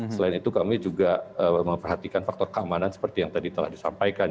selain itu kami juga memperhatikan faktor keamanan seperti yang tadi telah disampaikan